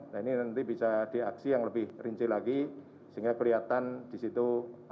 nah ini nanti bisa diaksi yang lebih rinci lagi sehingga kelihatan di situ